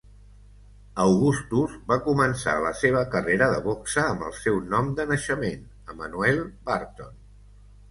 Augustus va començar la seva carrera de boxa amb el seu nom de naixement Emanuel Burton.